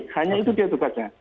hanya itu dia tugasnya